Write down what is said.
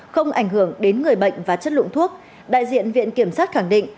không ảnh hưởng đến người bệnh và chất lượng thuốc đại diện viện kiểm sát khẳng định